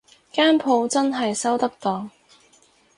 間舖真係收得檔